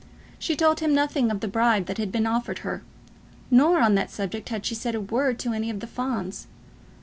She told him nothing of the bribe that had been offered her, nor on that subject had she said a word to any of the Fawns.